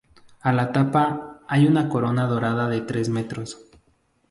A la tapa, hay una corona dorada de tres torres.